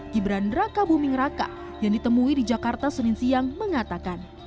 gibran raka buming raka yang ditemui di jakarta senin siang mengatakan